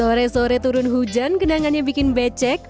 sore sore turun hujan kenangannya bikin becek